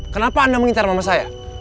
kenapa anda mengintar mama saya